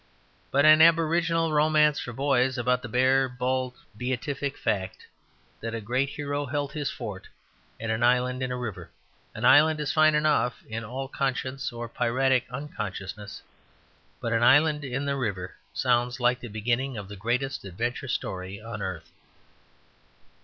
But an aboriginal romance for boys about the bare, bald, beatific fact that a great hero held his fort in an island in a river. An island is fine enough, in all conscience or piratic unconscientiousness, but an island in a river sounds like the beginning of the greatest adventure story on earth.